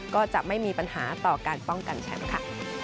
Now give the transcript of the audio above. ก็จะไม่มีปัญหาต่อการป้องกันแชมป์ค่ะ